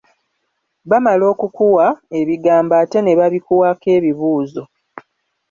Bamala okukuwa ebigambo ate ne babikuwaako ebibuuzo.